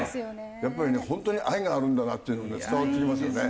やっぱりね本当に愛があるんだなっていうのがね伝わってきますよね。